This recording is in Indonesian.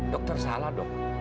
dokter salah dok